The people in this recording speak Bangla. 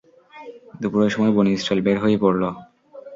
দুপুরের সময় বনী ইসরাঈল বের হয়ে পড়ল।